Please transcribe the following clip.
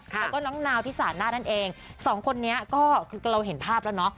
แล้วก็น้องนาวที่สาน่านั่นเองสองคนนี้ก็คือเราเห็นภาพแล้วเนาะ